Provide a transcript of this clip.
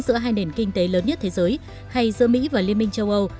giữa hai nền kinh tế lớn nhất thế giới hay giữa mỹ và liên minh châu âu